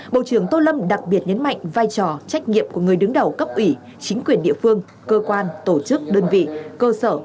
bộ trưởng tô lâm đặc biệt nhấn mạnh vai trò trách nhiệm của người đứng đầu cấp ủy chính quyền địa phương cơ quan tổ chức đơn vị cơ sở